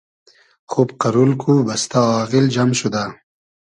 خوب قئرول کو، بئستۂ آغیل جئم شودۂ